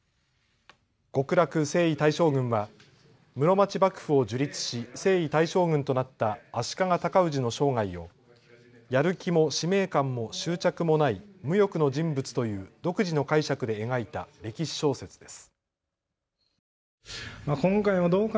極楽征夷大将軍は室町幕府を樹立し征夷大将軍となった足利尊氏の生涯をやる気も使命感も執着もない無欲の人物という独自の解釈で描いた歴史小説です。